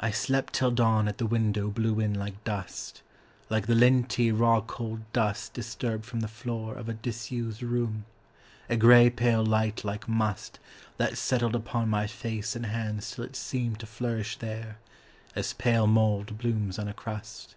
I slept till dawn at the window blew in like dust, Like the linty, raw cold dust disturbed from the floor Of a disused room: a grey pale light like must That settled upon my face and hands till it seemed To flourish there, as pale mould blooms on a crust.